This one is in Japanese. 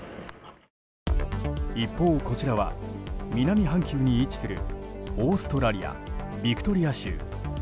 一方、こちらは南半球に位置するオーストラリア・ビクトリア州。